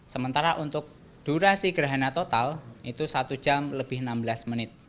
sementara untuk durasi gerhana total itu satu jam lebih enam belas menit